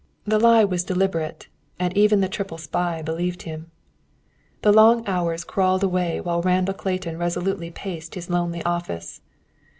The lie was deliberate, and even the triple spy believed him. The long hours crawled away while Randall Clayton resolutely paced his lonely office.